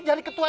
jadi ketua rw